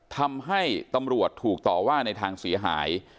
ทำให้ตำรวจถูกต่อว่าในทางเสียหาย